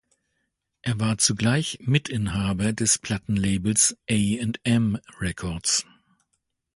Er war zugleich Mitinhaber des Plattenlabels A&M Records.